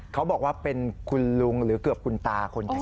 เขาบอกว่าเป็นคุณลุงหรือเกือบคุณตาคนใหญ่